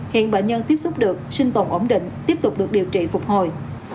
hiện bệnh nhân tiếp xúc được sinh tồn ổn định tiếp tục được điều trị phục hồi